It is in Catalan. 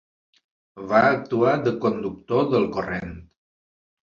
Va actuar de conductor del corrent.